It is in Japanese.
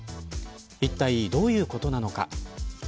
いったい、どういうことなのか。